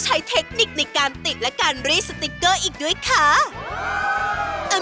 เพื่อให้เก้าอี้ตัวนี้ดูเป็นผู้หญิงผู้หญิง